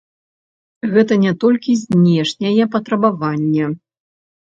Гэта не толькі знешняе патрабаванне.